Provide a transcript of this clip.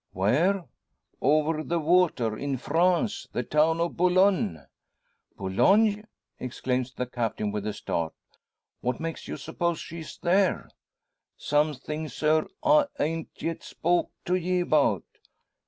"Where?" "Over the water in France the town o' Bolone." "Boulogne!" exclaims the Captain, with a start. "What makes you suppose she is there?" "Something, sir, I han't yet spoke to ye about.